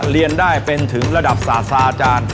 เรียนได้เป็นถึงระดับสาธารณ์